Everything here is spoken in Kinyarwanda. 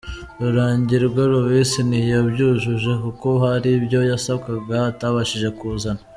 Rurangirwa Louis Ntiyabyujuje kuko hari ibyo yasabwaga atabashije kuzana.”.